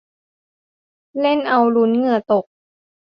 เล่นเอาลุ้นเหงื่อตก